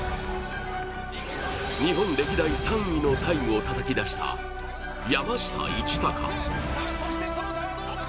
日本歴代３位のタイムをたたき出した、山下一貴。